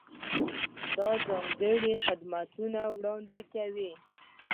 دا ځانګړي خدمتونه وړاندې کوي.